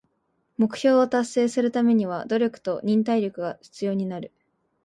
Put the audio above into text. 目標を達成するためには努力と忍耐力が必要になる。